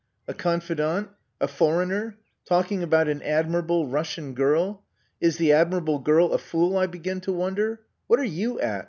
A confidant! A foreigner! Talking about an admirable Russian girl. Is the admirable girl a fool, I begin to wonder? What are you at?